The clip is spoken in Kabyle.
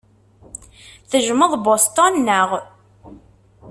Tejjmeḍ Boston, naɣ?